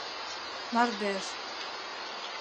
Мардеж!